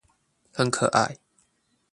很可愛